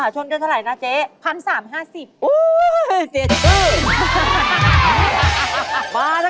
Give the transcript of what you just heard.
จริงเหรอ